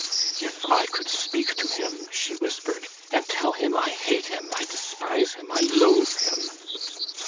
'If I could speak to him,' she whispered, 'and tell him I hate him, I despise him, I loathe him!